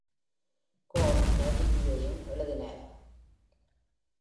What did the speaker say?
Gould, tragedy-யையும் எழுதினார்.